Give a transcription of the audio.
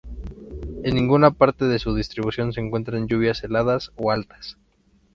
En ninguna parte de su distribución se encuentran lluvias heladas o altas.